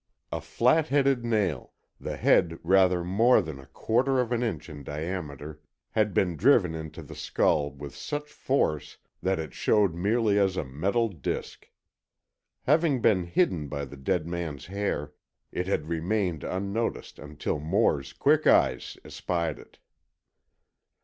A flat headed nail, the head rather more than a quarter of an inch in diameter, had been driven into the skull with such force that it showed merely as a metal disk. Having been hidden by the dead man's hair, it had remained unnoticed until Moore's quick eyes espied it.